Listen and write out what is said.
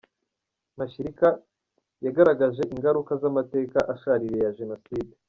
Mashirika yagaragaje ingaruka z’amateka ashaririye ya Jenoside.